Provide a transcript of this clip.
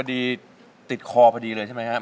ที่ติดคอพอดีเลยใช่มั้ยครับ